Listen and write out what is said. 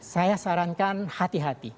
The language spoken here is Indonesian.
saya sarankan hati hati